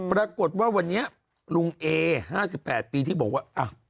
ปรากฏว่าวันนี้ลุงเอ๕๘ปีที่บอกว่า